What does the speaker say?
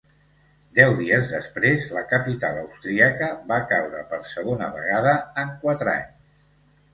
Deu dies després, la capital austríaca va caure per segona vegada en quatre anys.